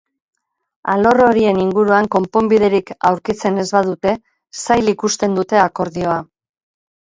Alor horien inguruan konponbiderik aurkitzen ez badute, zail ikusten dute akordioa.